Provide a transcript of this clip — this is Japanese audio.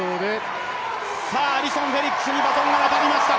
アリソン・フェリックスにバトンが渡りました。